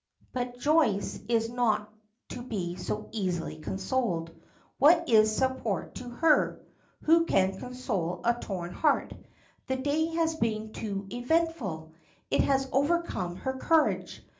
But Joyce is not to be so easily consoled. What is support to her? Who can console a torn heart? The day has been too eventful! It has overcome her courage.